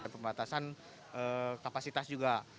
pembatasan kapasitas juga